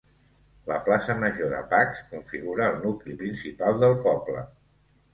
La plaça Major de Pacs configura el nucli principal del poble.